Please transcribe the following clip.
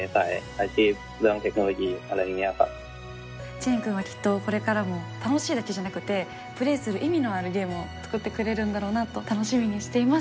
チェーンくんはきっとこれからも楽しいだけじゃなくてプレーする意味のあるゲームを作ってくれるんだろうなと楽しみにしています。